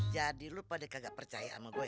jadi lo pada kagak percaya sama gue